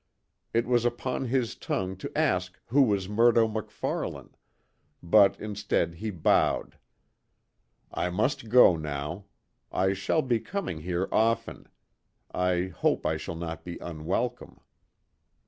It was upon his tongue to ask who was Murdo MacFarlane, but instead he bowed: "I must go now. I shall be coming here often. I hope I shall not be unwelcome."